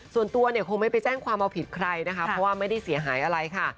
ส่วนตัวเนี่ยคงไม่ไปแจ้งความเอาผิดใครนะคะเพราะว่าไม่ได้เสียหายอะไรค่ะ